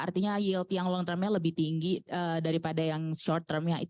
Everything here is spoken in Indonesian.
artinya yield yang long termnya lebih tinggi daripada yang short term